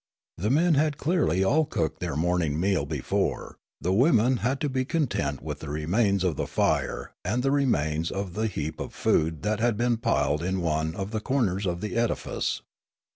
The men had clearly all cooked their morning meal before ; the women had to be content with the remains of the fire and the remains of the heap of food that had been piled in one of the corners of the edifice.